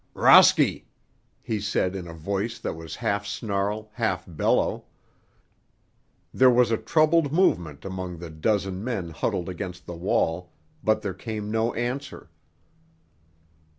"Rosky!" he said in a voice that was half snarl, half bellow. There was a troubled movement among the dozen men huddled against the wall, but there came no answer.